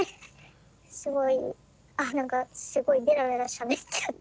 すごいあっ何かすごいベラベラしゃべっちゃって。